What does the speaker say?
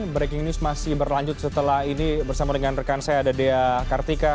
breaking news masih berlanjut setelah ini bersama dengan rekan saya ada dea kartika